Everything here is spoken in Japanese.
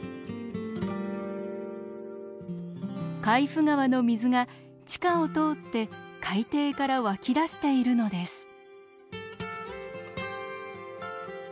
海部川の水が地下を通って海底から湧き出しているのです。